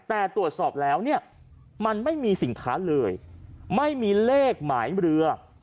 แต่ตรวจสอบแล้วเนี่ยมันไม่มีสินค้าเลยไม่มีเลขหมายเรือ